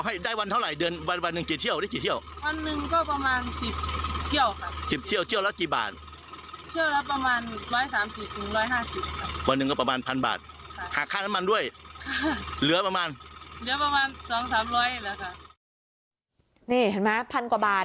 นี่เห็นไหมพันกว่าบาท